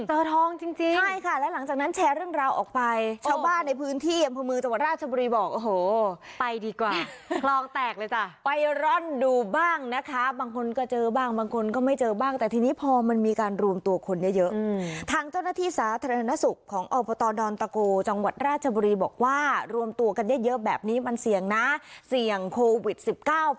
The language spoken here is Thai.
ทองจริงจริงใช่ค่ะแล้วหลังจากนั้นแชร์เรื่องราวออกไปชาวบ้านในพื้นที่อำเภอเมืองจังหวัดราชบุรีบอกโอ้โหไปดีกว่าคลองแตกเลยจ้ะไปร่อนดูบ้างนะคะบางคนก็เจอบ้างบางคนก็ไม่เจอบ้างแต่ทีนี้พอมันมีการรวมตัวคนเยอะเยอะทางเจ้าหน้าที่สาธารณสุขของอบตดอนตะโกจังหวัดราชบุรีบอกว่ารวมตัวกันเยอะเยอะแบบนี้มันเสี่ยงนะเสี่ยงโควิดสิบเก้า